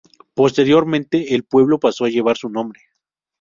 Posteriormente el pueblo pasó a llevar su nombre.